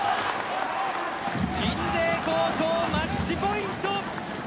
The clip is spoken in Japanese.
鎮西高校マッチポイント。